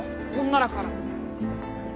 女だから。